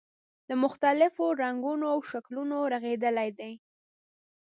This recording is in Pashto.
له مختلفو رنګونو او شکلونو رغېدلی دی.